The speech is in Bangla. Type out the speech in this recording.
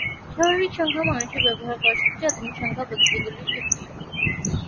স্বাভাবিক সংখ্যা মানুষের ব্যবহার করা সবচেয়ে আদিম সংখ্যা পদ্ধতিগুলোর একটি।